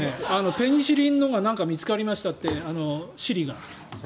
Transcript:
ペニシリンのが何か見つかりましたってＳｉｒｉが。